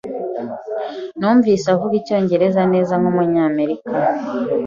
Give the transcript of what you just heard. Numvise avuga icyongereza neza nkumunyamerika.